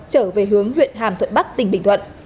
trở về hướng huyện hàm thuận bắc tỉnh bình thuận